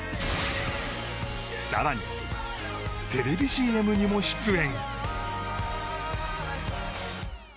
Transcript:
更に、テレビＣＭにも出演。